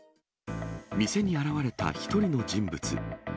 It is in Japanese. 店に現れた一人の人物。